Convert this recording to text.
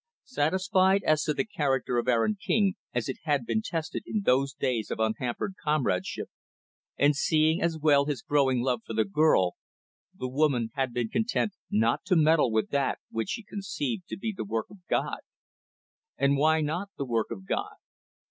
Satisfied as to the character of Aaron King, as it had been tested in those days of unhampered companionship; and seeing, as well, his growing love for the girl, the woman had been content not to meddle with that which she conceived to be the work of God. And why not the work of God?